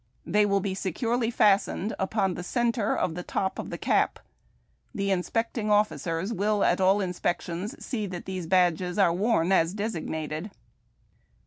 They will be securely fastened upon the centre of the top of the cap. The inspecting officers will at all inspections see that these badges are worn as designated.